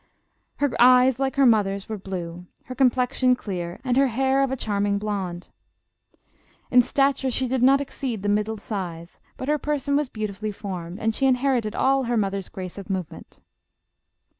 Her eyes like her mother's were blue, her complexion clear, and her hair of a charming blonde. In stature she did not exceed the middle size; but her person was beautifully formed, and she inherited all her mother's grace of movement."